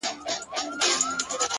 ته چي راغلې سپين چي سوله تور باڼه!